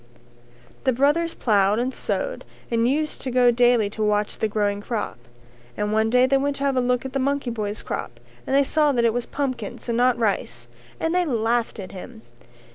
The brothers ploughed and sowed and used to go daily to watch the growing crop, and one day they went to have a look at the monkey boy's crop and they saw that it was pumpkins and not rice and they laughed at him.